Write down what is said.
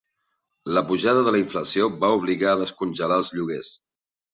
La pujada de la inflació va obligar a descongelar els lloguers.